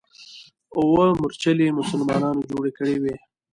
اوه مورچلې مسلمانانو جوړې کړې وې.